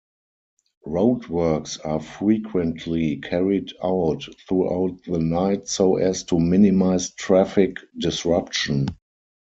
Roadworks are frequently carried out throughout the night so as to minimize traffic disruption.